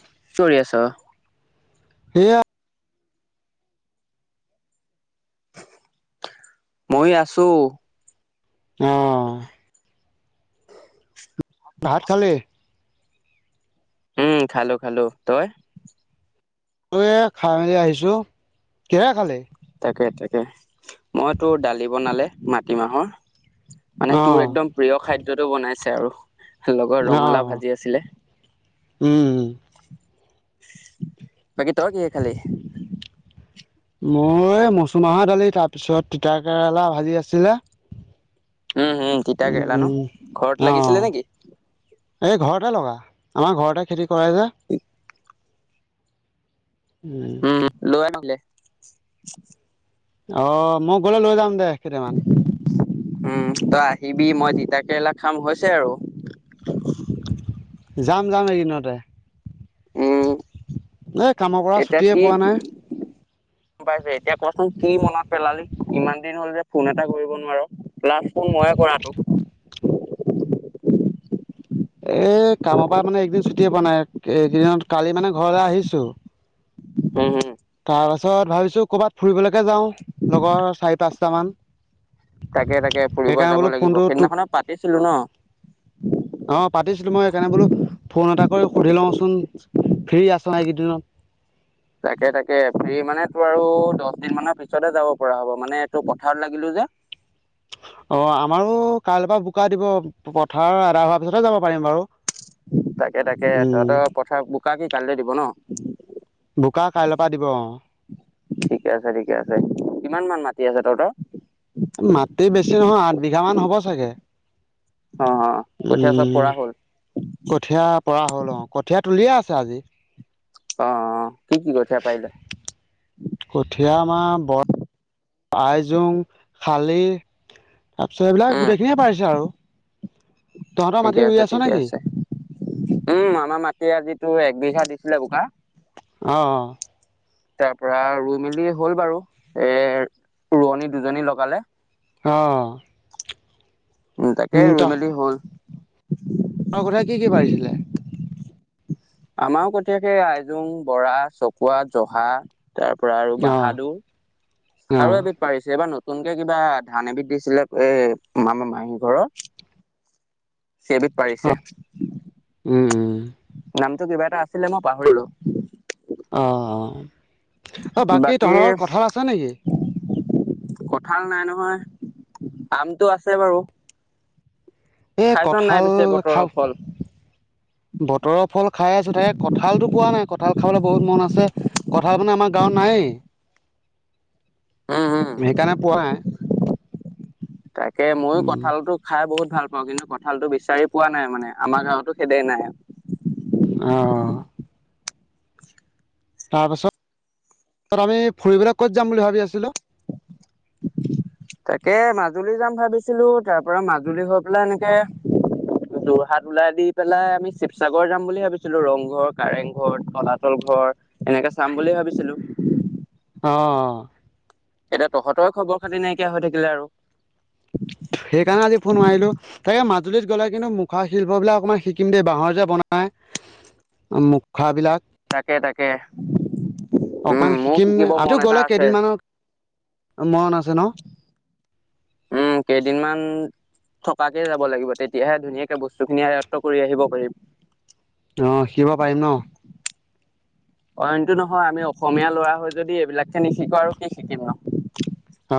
কি কৰি আছ? এয়া মই আছোঁ। অ' ভাত খালি? উম খালো-খালো, তই? মই এয়া খাই মেলি আহিছোঁ, কিহে খালি? তাকে-তাকে মই তোৰ দালি বনালে মাটিমাহৰ। মানে অঁ তোৰ একদম প্ৰিয় খাদ্যটো বনাইছে আৰু। লগত অঁ ৰঙালাও ভাজি আছিলে। উম বাকী তই কিহে খালি? মই মচুৰমাহৰ দালি তাৰ পিছত তিতা কেৰেলা ভাজি আছিলে। উম হম তিতা কেৰেলা ন উম, ঘৰত লাগিছিলে অ' নেকি এই ঘৰতে লগা, আমাৰ ঘৰতে খেতি কৰে যে। উম লৈ আহ নহ'লে। অহ মই গলে লৈ যাম দে কেটামান। উম তই আহিবি, মই তিতা কেৰেলা খাম হৈছে আৰু। যাম যাম এইকিদিনতে। উম কামৰ পৰা এতিয়া ছুটিয়ে কি পোৱা নাই গম পাইছো এতিয়া কচোন কি মনত পেলালি ইমান দিন হ'ল যে ফোন এটা কৰিব নোৱাৰ লাষ্ট ফোন ময়ে কৰা তোক। এই কামৰ পৰা মানে এইকেইদিন ছুটিয়ে পোৱা নাই এইকেইদিনত কালি মানে ঘৰলৈ আহিছোঁ। হুম-হুম। তাৰপিছত ভাবিছোঁ ক'ৰবাত ফুৰিবলৈকে যাওঁ, লগৰ চাৰি-পাঁচটামান। তাকে তাকে ফুৰিব যাব লাগিব সেইদিনাখনত পাতিছিলো ন। অ' পাতিছিলো মই সেইকাৰণে বোলো। ফোন এটা কৰি সুধি লওঁচোন ফ্ৰী আছ নাই এইকেইদিনত? তাকে তাকে ফ্ৰি মানে তোৰ আৰু দচদিন মানৰ পিছতহে যাব পৰা হব মানে তোৰ পথাৰত লাগিলো যে। [unintelligible] অ আমাৰো কাইলৈ পা বোকা দিব, পথাৰ আদাই হোৱাৰ পিছতহে যাব পাৰিম বাৰু। তাকে তাকে উম তহঁতৰ পথাৰ বোকা কি কাইলৈ দিব ন? বোকা কাইলৈৰ পৰা দিব অঁ ঠিকে আছে ঠিকে আছে। কিমান মান মাটি টি আছে তহঁতৰ? মাটি বেছি নহয় আঠ বিঘা মান হ'ব চাগে। অ অ কঠীয়া চব উম পৰা হ'ল কঠীয়া পৰা হ'ল অ কঠীয়া তুলিয়ে আছে আজি। অ অ। কি কি কঠীয়া পাৰিলে কঠিয়া আমাৰ বৰ আইজোং, খালি তাৰপিছত সেইবিলাক উম গোটেইখিনিয়ে পাৰিছে আৰু। তহঁতৰ মাটি ঠিকে ৰুই আছে আছ ঠিকে নেকি আছে উম আমাৰ মাটি আজিতো একবিঘাত দিছিলে বোকা। অ অ। তাৰ পৰা ৰুই মেলি হ'ল বাৰু এ ৰোৱনী দুজনী লগালে। অ। উম তাকে ৰুই মেলি হ'ল। তহঁতৰ কঠিয়া কি কি পাৰিছিলে? আমাৰো কঠিয়া সেই আইজোং, বৰা, চকুৱা জহা তাৰপৰা আৰু অঁ বাহাদুৰ আৰু অঁ এবিধ পাৰিছে এইবাৰ নতু নতুনকে কিবা ধান এবিধ দিছিলে এ আমাৰ নামঘৰত সেইবিধ অ পাৰিছে। উম উম নামটো কিবা এটা আছিলে মই পাহৰিলো। অ অ বাকী তহঁতৰ ঘৰত কঠাল আছে নিকি? কঠাল নাই নহয়, আমটো আছে বাৰু। এই খাইছ নাই কঠাল পিছে বতৰৰ খাওঁ। ফল বতৰৰ ফল খাই আছো তাকে কঁঠালতটো পোৱা নাই। কঠাল খাবলে বহুত মন আছে কঠাল মানে আমাৰ গাঁৱত নাইয়ে। উম হম সেইকাৰণে পোৱা নাই। তাকে মইয়ো কঠালটো খাই বহুত ভাল পাওঁ কিন্তু কঠালটো বিচাৰি পোৱা নাই মানে আমাৰ গাঁৱতো সেদে নাই। অহ। তাৰপিছত আমি ফুৰিবলে ক'ত যাম বুলি ভাবি আছিলো? [inaudible] তাকে মাজুলী যাম ভাবিছিলো তাৰপৰা মাজুলী গৈ পেলাই এনেকে যোৰহাট ওলাই দি পেলাই আমি শিৱসাগৰ যাম বুলি ভাবিছিলো ৰংঘৰ, কাৰেংঘৰ, তলাতল ঘৰ ঘৰ এনেকে চাম বুলি ভাবিছিলো। অ'। এতিয়া তহঁতৰে খবৰ খাতি নাইকিয়া হৈ থাকিলে আৰু। সেইকাৰণে আজি ফোন মাৰিলো, তাকে মাজুলীত গ'লে কিন্তু মুখা শিল্প বিলাক অকমান শিকিম দেই। বাহৰ যে বনা মুখাবিলাক। তাকে তাকে। উম অকমান মোৰ শিকিম শিকিব মন আ এটা গ'লে আছে কেইদিনমানৰ মন আছে ন? উম কেইদিনমান থকাকে যাব লাগিব তেতিয়াহে ধুনীয়াকে বস্তুখিনি আয়ত্ব কৰি আহিব পাৰিম। অ শিকিব পাৰিম ন? অইনটো নহয় আমি অসমীয়া ল'ৰা হৈ যদি এইবিলাক খিনি শিকো আৰু কি শিকিম ন। অ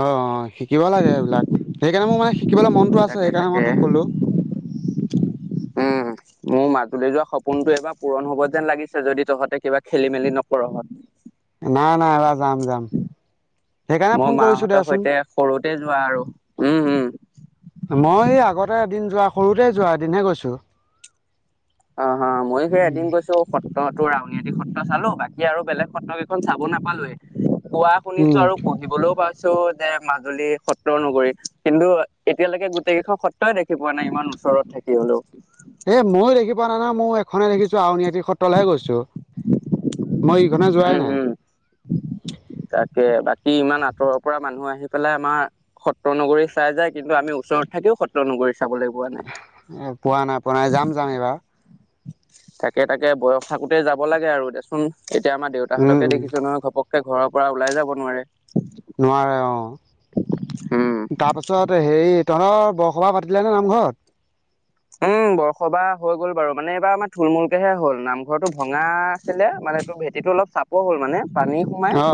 শিকিব লাগে এইবিলাক। সেইকাৰণে মোৰ মানে শিকিবলৈ মনটো আছে তাকে সেইকাৰণে মই তাকে, তোক ক'লো উম। মোৰ মাজুলী যোৱা সপোনটো এবাৰ পূৰণ হ'ব যেন লাগিছে যদি তহঁতে কিবা খেলি মেলি নকৰ। নাই নাই এবাৰ যাম যাম সেইকাৰণে মই ফোন কৰিছো মাহঁতৰ দেচোন সৈতে সৰুতে যোৱা আৰু। উম, উম। মই এই আগতে এদিন যোৱা সৰুতে যোৱা এদিনহে গৈছোঁ। অ' অ' মইয়ো সেই এদিন গৈছো সত্ৰত। তোৰ আউনীআটী সত্ৰ চালো, বাকী আৰু বেলেগ সত্ৰ কেইখন চাব নাপালোৱেই। কোৱা শুনিছো, উম আৰু পুহিবলৈও পাইছো। যে মাজুলী সত্ৰ নগৰী, কিন্তু এতিয়ালৈকে গোটেই কেইখন সত্ৰই দেখি পোৱা নাই ইমান ওচৰত থাক কি হলও। এ ময়ো দেখি পোৱা নাই নাই মই এখনেই দেখিছো আউনীআতি সত্ৰলৈহে গৈছো। মই ইখনে উম, যোৱাই নাই হম তাকে বাকী ইমান আঁতৰৰ পৰা মানুহ আহে। আহি পেলাই আমাৰ সত্ৰ নগৰী চাই যায়, কিন্তু আমি ওচৰত থাকিও সত্ৰ নগৰী চাবলৈ পোৱা নাই এ পোৱা নাই পোৱা নাই, যাম যাম এইবাৰ। তাকে-তাকে বয়স থাকোতে যাব লাগে আৰু দেচোন। এতিয়া আমাৰ উম দেউতাহঁতকে উম দেখিছো নহয় ঘপকে ঘৰৰ পৰা ওলাই যাব নোৱাৰে। নোৱাৰে অ, উম, তাৰপিছত হেৰি তহঁৰ বৰসবাহ পাতিলে নে নামঘৰ? [inaudible] বৰসবাহ হৈ গ'ল বাৰু মানে এইবাৰ আমাৰ থুলমূলকেহে হ'ল নামঘৰতো ভঙা আছিলে মানে এইটো ভেটিটো টো অলপ চাপৰ হল মানে পানী সোমাই অ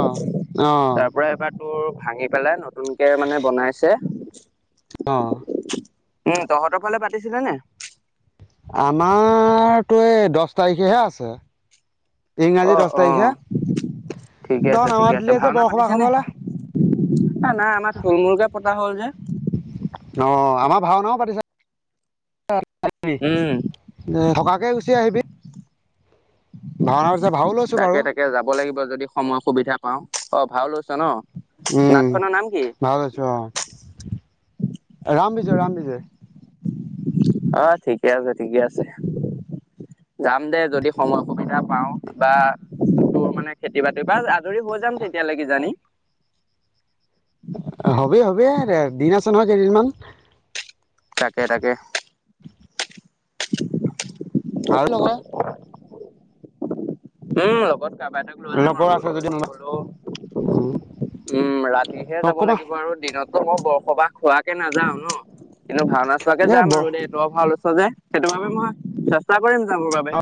অ তাৰ পৰা এতিয়া তোৰ ভাঙি পেলাই নতু তুনকে মানে বনাইছে। অ', উম, তহঁতৰ ফালে পাতিছিলে নে? আমাৰতো এই দছ তাৰিখেহে আছে। ইংৰাজী অ', দহ তাৰিখে অ', ঠিকে তই আছে-ঠিকে নামাত আছে উলিয়াইছে ভাওনা বৰসবাহ পাতিছে নে? খাবলে এ নাই আমাৰ থুল মুলকে পতা হ'ল যে। অ ভাওনাও পাতিছে। আহিবি উম, এ থকাকে গুচি আহিবি। ভাওনা পিছে ভাও লৈছো বাৰু তাকে-তাকে যাব লাগিব যদি সময় সুবিধা পাও অ, ভাওঁ লৈছ ন উম, নাটখনৰ নাম কি? ভাও লৈছোঁ অ, ৰামবিজয় - ৰামবিজয়। অ, ঠিকে আছে - ঠিকে আছে। যাম দে যদি সময় সুবিধা পাও বা তোৰ মানে খেতি বাতি এইবা আদৰি হৈ যাম তেতিয়ালে কিজানি। হবি-হবি এ দিন আছে নহয় কেইদিনমান। তাকে-তাকে। আৰু লগতে উম লগত কাবা এটাক লৈ যাম আৰু লগৰ আছে যদি [unintelligible] কোনোবা হলও উম উম, ৰাতিহে অ যাব কবা লাগিব আৰু দিনত ত মই বৰসবাহ খোৱাকে নাযাও ন কিন্তু ভাওনা চোৱাকে এ যাম ব আৰু দেই ত ভাল যে সেইটো বাবে মই চেষ্টা কৰিম যাবৰ বাবে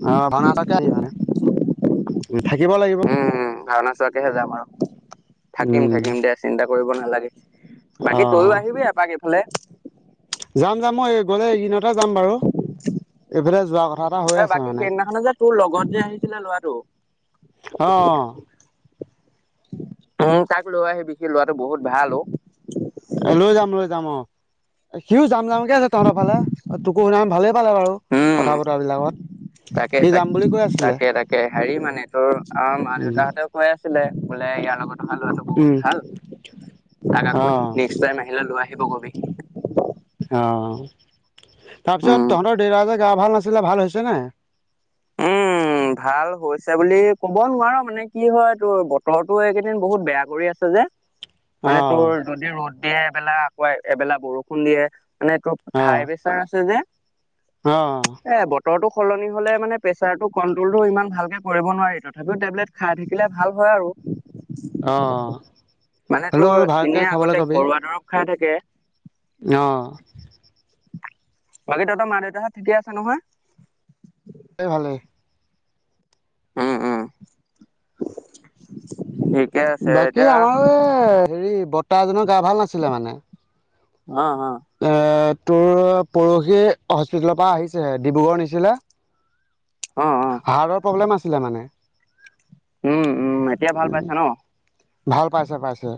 [unintelligible] মানে থাকিব লাগিব উম ভাওনা চোৱাকেহে যাম আৰু থাকিম উম থাকিম দে চিন্তা কৰিব নালাগে বাকী তইও আহিবি এপাক ইফালে যাম-যাম মই গলে এইকেইদিনতে যাম বাৰু। এইফালে যোৱা কথা এটা হৈ এ আছে বাকী মানে। সেইদিনাখনে যে তোৰ লগত যে আহিছিলে ল'ৰাটো অ' উম তাক লৈ আহিবি সি ল'ৰাটো বহুত ভাল অ'। এই লৈ যাম-লৈ যাম অ' সিও যাম যামকে আছে তহঁতৰ ঘৰলে তোকো সেইদিনা ভালেই পালে বাৰু উম কথা বতৰা বিলাকত। তাকে তাক তাকে-তাকে হেৰি মানে তোৰ আমাৰ মা উম দেউতাহঁতেও কৈ আছিলে বোলে ইয়াৰ লগত অহা ল'ৰাটো বহুত উম ভাল তাক অ আকৌ নক্স টাইম আহিলে লৈ আহি আহিব কবি অ তাৰপিছত উম তহঁতৰ দেউতাৰ যে গা ভাল নাছিলে ভাল হৈছে নে উম ভাল হৈছে বুলি ক'ব নোৱাৰ মানে কি হয় তোৰ বতৰটো এইকেইদিন বহুত বেয়া কৰি আছে যে অ মানে তোৰ যদি ৰ'দ দিয়ে এইবেলা আকৌ এবেলা বৰষুণ দিয়ে মানে এইটো অ হাই প্ৰেচাৰ আছে যে অ এ বতৰটো সলনি হ'লে মানে প্ৰেচাৰটো কন্ট্ৰলটো ইমান ভালকে কৰিব নোৱাৰি তথাপিও টেবলেট খাই থাকিলে ভাল হয় আৰু অ মান তো হ'লেও ভালকৈ এনেই আগতে ঘৰুৱা দৰৱ খাই থাকে অহ বাকী তহত মা দেউতাহঁত ঠিকে আছে নহয় ভালে ভালে উম উম ঠিক বাকী আমাৰ এই হেৰি বৰ্তা এজনৰ গা ভাল নাছিলে মানে অ অ এ তোৰ পৰহি হস্পিতেলৰ পৰা আহিছেহে ডিব্ৰুগড়ৰ নিছিলে অ অ হাৰ্টৰ প্ৰব্লেম আছিলে মানে উম উম এতিয়া ভাল উম পাইছা ন? ভাল পাইছে পাইছে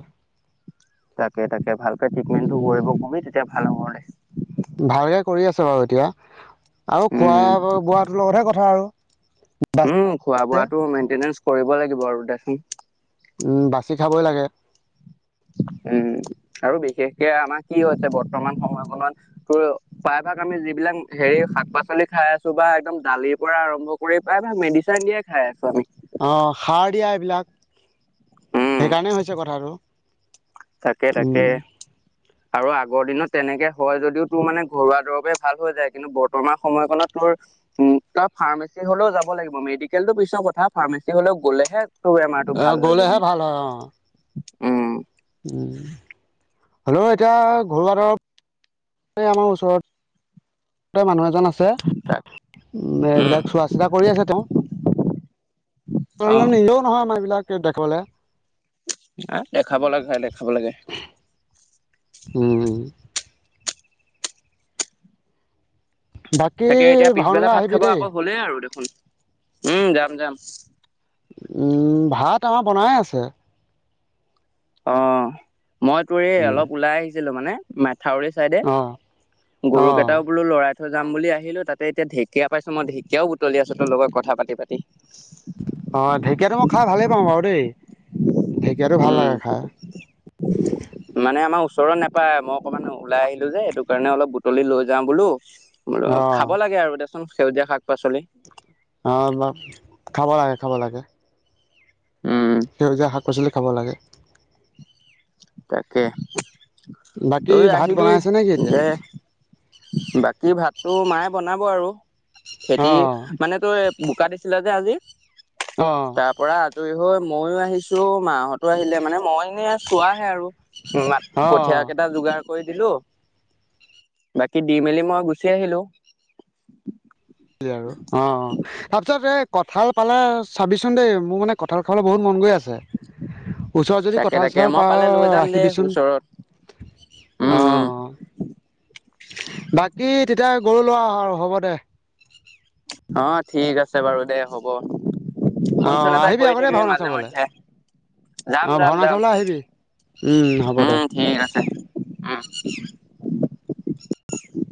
তাকে তাকে ভালকে ট্ৰিটমেণ্টটো উম কৰিব কবি তেতিয়া ভাল হ'ব দে। ভালকে কৰি আছে বাৰু এতিয়া। আও খোৱা উম বোৱাটোৰ লগতহে কথা আৰু বাচ উম খোৱা যে। বোৱাটো মেইনটেনেঞ্চ কৰিব লাগিব আৰু দেখি। উম বাছি খাৱই লাগে। উম আৰু বিশেষকে আমাৰ কি হৈছে বৰ্তমান সময়কণত তোৰ প্ৰায়ভাগ আমি যি। বিলাক হেৰি শাক পাচলি খাই আছো বা একদম দালিৰ পৰা আৰম্ভ কৰি প্ৰায় ভাগ মেডিচিন দিয়াই খাই আছো আমি। অহ সাৰ দিয়া এইবিলাক উম সেইকাৰণে হৈছে কথাটো। তাকে উম তাকে। আৰু আগৰ দিনত তেনেকে হয় যদিও তোৰ মানে ঘৰুৱা দৰৱেই ভাল হৈ যায় কিন্তু বৰ্তমান সময়কণত তোৰ। উম তই ফাৰ্মাচী হ'লেও যাব লাগিব মেডিকেলত টো পিছৰ কথা ফাৰ্মাচী হ'লেও গলেহে। তোৰ বেমাৰটো অ ভাল হয়গে গলেহে ভাল হয় অ মানে উম। উম হলোঁ এতিয়া ঘৰুৱা দৰৱ। এ আমাৰ ওচৰত। তে মানুহ এজন আছে তাক উম উম এইবিলাক চোৱা চিতা কৰি আছে তেওঁ। অ' নিজেও নহয় আমাৰ এইবিলাক দেখিবলৈ অ' দেখাব লাগে ভাই দেখাব লাগে। উম বাকী তাকে এতিয়া পিছবেলা ভাওনালৈ ভাত আহিবি খাব দেই আকৌ হ'লেই আৰু দেখোন উম যাম-যাম। উম ভাত আমাৰ বনাই আছে। অ' মই তোৰ এই উম অলপ ওলাই আহিছিলোঁ মানে মে থাউৰে চাইডে অ অ গৰু কেইটাও বোলো লৰাই যাম বুলি আহিলোঁ তাতে এতিয়া ঢেকীয়া পাইছোঁ মই ঢেকীয়াও বুতলি আছোঁ তোৰ লগত কথা পাতি-পাতি। ঢেকীয়াতো ভাল উম লাগে খাই। মানে আমাৰ ওচৰত নেপায় মই অকণমান ওলাই আহিলো যে এইটো কাৰণে অলপ বুটলি লৈ যাওঁ বোলো। বোৰক খাব লাগে আৰু দেচোন সেউজীয়া শাক। পাচলি অহ এইবোৰ খাব লাগে খাব লাগে। উম। সেউজীয়া শাক পাচলি খাব লাগে। তাকে বাকী তইয়ে ভাত আহিবি বনাই আছে নেকি এতিয়া? দে। বাকী ভাতটো মায়ে বনাব আৰু খেতি অ', মানে তই। বোকা দিছিলে যে আজি অ', তাৰ পৰা আজৰি হয় ময়ো আহিছোঁ মাহতো আহিলে মানে মই এনে চোৱাহে আৰু মাক কঠিয়া অ', কেইটা যোগাৰ কৰি দিলোঁ। বাকী দি মেলি মই গুচি আহিলোঁ। আৰু অ'-অ' [unintelligible] কঁঠাল পালে চাবিচোন দেই মোৰ মানে কঁঠাল খাবলৈ বহুত মন গৈ আছে। ওচৰত যদি তাকে কঁঠাল তাকে চঠাল মই পাওঁ পালে লৈ যাম দে ৰাখিবিচোন। ওচৰত উম উম অ'-অ' বাকী তেতিয়া গৰু লোৱা অ, আৰু হ'ব দে। অ, ঠিক আছে বাৰু দে হ'ব। অ', ফুনচোন এটা আহিবি কৰি আকৌ দেই থাকিবি ভাওনা মাজে চাবলৈ মধ্যে। অ', ভাওনা যাম-যাম-যাম চাবলৈ আহিবি উম, হ'ব দে। উম, ঠিক আছে উম, [inaudible]